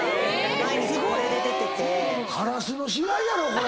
毎日これで出てて。